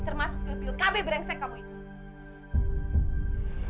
termasuk pil pil kb berengsek kamu itu